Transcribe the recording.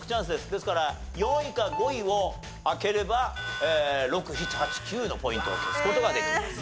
ですから４位か５位を開ければ６７８９のポイントを消す事ができます。